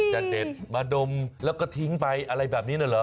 เด็ดมาดมแล้วก็ทิ้งไปอะไรแบบนี้น่ะเหรอ